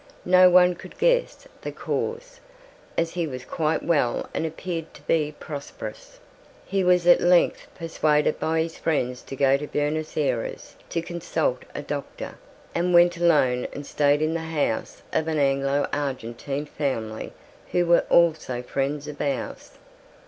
No one could guess the cause, as he was quite well and appeared to be prosperous. He was at length persuaded by his friends to go to Buenos Ayres to consult a doctor, and went alone and stayed in the house of an Anglo Argentine family who were also friends of ours.